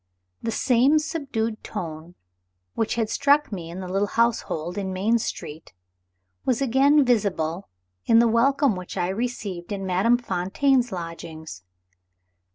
The same subdued tone which had struck me in the little household in Main Street, was again visible in the welcome which I received in Madame Fontaine's lodgings.